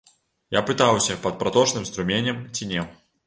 Я пытаўся, пад праточным струменем, ці не.